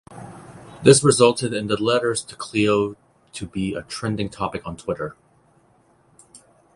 This resulted in Letters to Cleo to be a trending topic on Twitter.